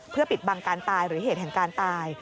เพื่อปิดบังการตายหรือเหตุแห่งการตาย